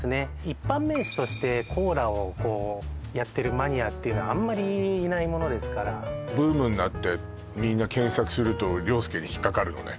一般名詞としてコーラをこうやってるマニアっていうのはあんまりいないものですからブームになってみんな検索するとりょーすけに引っ掛かるのね